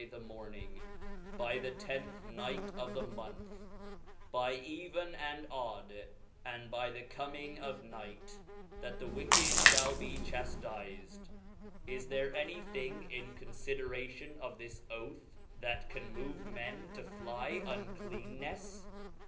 Xthe Morning, by the tenth night of the moneth, by even Ye flial there and odd, and by the coming of night, that the wicked lliall be fee the e>po ^haftifed. Is there any thing in confideration of this oath, that paflae^' ^^ can move men to fiy uncleannefs